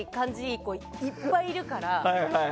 いい子、いっぱいいるから。